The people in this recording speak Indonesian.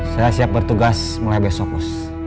saya siap bertugas mulai besok